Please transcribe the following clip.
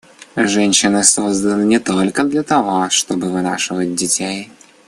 Женщины созданы не только для того, чтобы вынашивать детей.